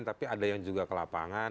tapi ada yang juga kelapangan